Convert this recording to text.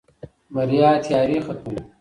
بریا تیارې ختموي.